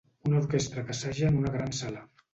una orquestra que assaja en una gran sala